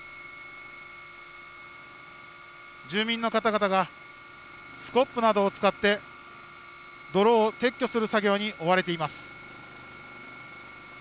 住民の方々がスコップなどを使って泥を撤去する作業に追われています。